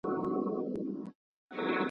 ډېر مو په لیلا پسي تڼاکي سولولي دي !.